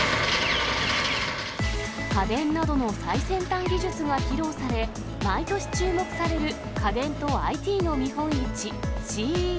家電などの最先端技術が披露され、毎年注目される、家電とＩＴの見本市、ＣＥＳ。